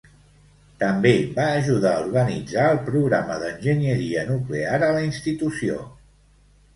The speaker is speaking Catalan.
També va ajudar a organitzar el programa d'enginyeria nuclear a la institució.